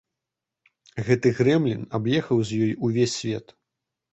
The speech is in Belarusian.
Гэты грэмлін аб'ехаў з ёй увесь свет.